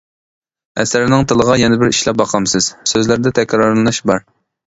ئەسەرنىڭ تىلىغا يەنە بىر ئىشلەپ باقامسىز؟ سۆزلەردە تەكرارلىنىش بار.